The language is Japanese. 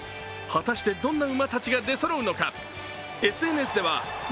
果たして、どんな馬たちが出そろうのか。